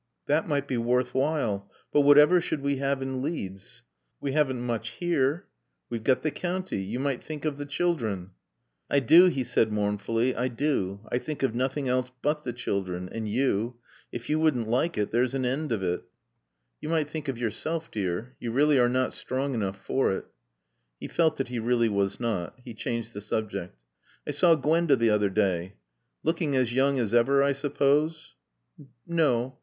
That might be worth while. But whatever should we have in Leeds?" "We haven't much here." "We've got the county. You might think of the children." "I do," he said mournfully. "I do. I think of nothing else but the children and you. If you wouldn't like it there's an end of it." "You might think of yourself, dear. You really are not strong enough for it." He felt that he really was not. He changed the subject. "I saw Gwenda the other day." "Looking as young as ever, I suppose?" "No.